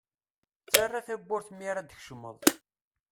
Ttarra tawwurt mi ara d-tkecmeḍ.